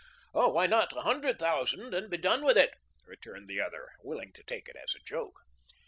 "Oh, why not a hundred thousand and be done with it?" returned the other, willing to take it as a joke.